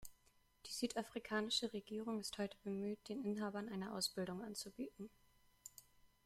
Die südafrikanische Regierung ist heute bemüht, den Inhabern eine Ausbildung anzubieten.